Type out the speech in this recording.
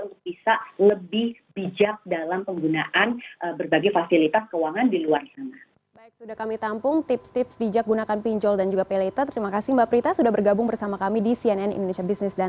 untuk bisa lebih bijak dalam penggunaan berbagai fasilitas keuangan di luar sana